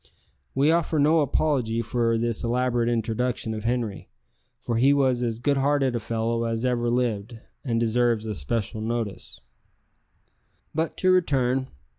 We offer no apology for this elaborate introduction of Henri, for he was as good hearted a fellow as ever lived, and deserves special notice. But to return.